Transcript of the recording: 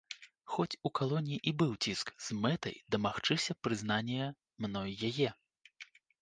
Хоць у калоніі і быў ціск з мэтай дамагчыся прызнання мной яе.